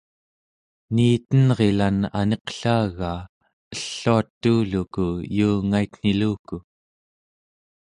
niitenrilan aniqlaagaa elluatuuluku yuungaitniluku